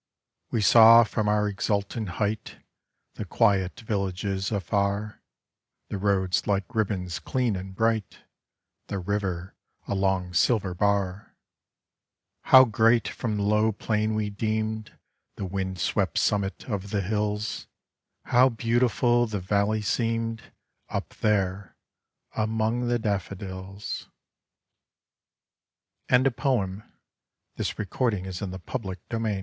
We saw from our exultant height The quiet villages afar, The roads like ribbons dean and bright, The river a long silver bar. How great from the low plain we deemed The wind swept summit of the hills; How beautiful the valley seemed Up there among the daffodils I HOW SOFTLY RUNS THE AFTERNOON TTOW softl